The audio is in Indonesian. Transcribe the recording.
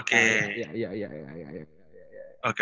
gak ada yang main basket